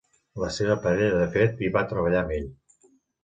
La seva parella de fet hi va treballar amb ell.